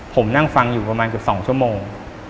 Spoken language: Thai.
ผมนั่งฟังอยู่ประมาณเกือบ๒ชั่วโมง